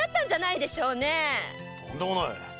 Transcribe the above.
とんでもない！